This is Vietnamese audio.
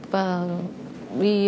vì đưa lao động